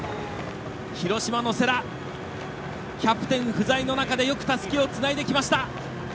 広島の世羅キャプテン不在の中でよくたすきをつないできました。